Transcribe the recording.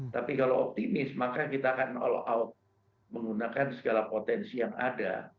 tapi kalau optimis maka kita akan all out menggunakan segala potensi yang ada